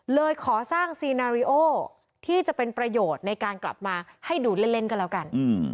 เลยขอสร้างซีนาริโอที่จะเป็นประโยชน์ในการกลับมาให้ดูเล่นก็แล้วกัน